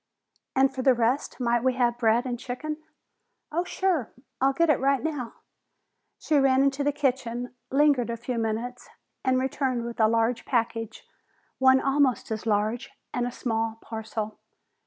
"And for the rest might we have bread and chicken?" "Oh, sure! I'll get it right now!" She ran into the kitchen, lingered a few minutes, and returned with a large package, one almost as large, and a small parcel.